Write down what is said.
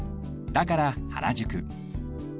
だから原宿